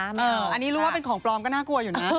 อันนี้รู้ว่าเป็นของปลอมก็น่ากลัวอยู่นะ